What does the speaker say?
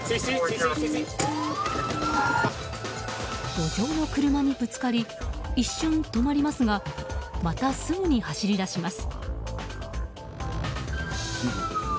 路上の車にぶつかり一瞬、止まりますがまたすぐに走り出します。